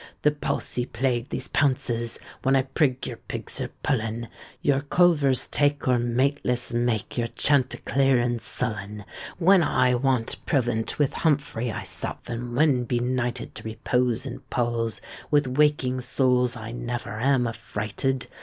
The palsie plague these pounces, When I prig your pigs or pullen; Your culvers take Or mateless make Your chanticleer and sullen; When I want provant with Humphrey I sup, And when benighted, To repose in Paul's, With waking souls I never am affrighted.